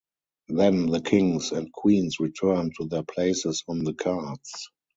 Then the kings and queens return to their places on the cards.